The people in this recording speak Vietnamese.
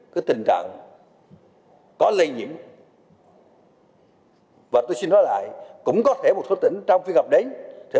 cái tình trạng có lây nhiễm và tôi xin nói lại cũng có thể một số tỉnh trong phiên gặp đến sẽ